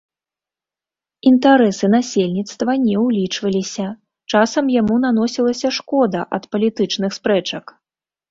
Інтарэсы насельніцтва не ўлічваліся, часам яму наносілася шкода ад палітычных спрэчак.